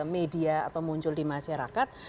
media atau muncul di masyarakat